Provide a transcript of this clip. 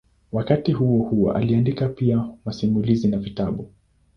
Wakati huohuo aliandika pia masimulizi na vitabu.